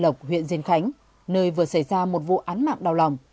lộc huyện diên khánh nơi vừa xảy ra một vụ án mạng đau lòng